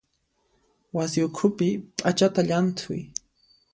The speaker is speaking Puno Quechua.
Wasi ukhupi p'achata llanthuy.